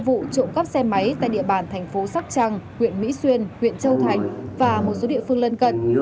vụ trộm cắp xe máy tại địa bàn thành phố sóc trăng huyện mỹ xuyên huyện châu thành và một số địa phương lân cận